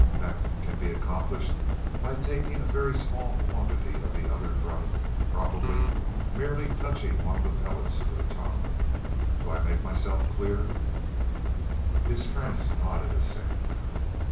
That can be accomplished by taking a very small quantity of the other drug probably merely by touching one of the pellets to the tongue. Do I make myself clear?" His friends nodded assent.